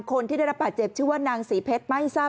คนที่ได้รับบาดเจ็บชื่อว่านางศรีเพชรไม่ทราบ